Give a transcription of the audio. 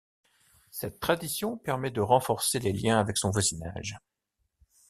Cette tradition permet de renforcer les liens avec son voisinage.